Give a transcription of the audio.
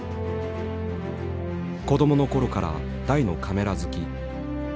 子供の頃から大のカメラ好き。